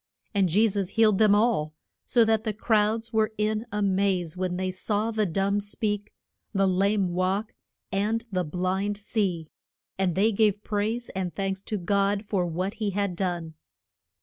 And Je sus healed them all, so that the crowds were in a maze when they saw the dumb speak, the lame walk, and the blind see; and they gave praise and thanks to God for what he had done.